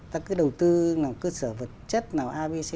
ta cứ đầu tư làm cơ sở vật chất nào abc